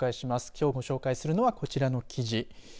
きょうご紹介するのはこちらの記事。